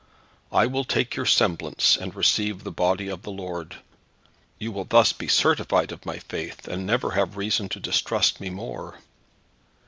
I will take your semblance, and receive the Body of the Lord. You will thus be certified of my faith, and never have reason to mistrust me more."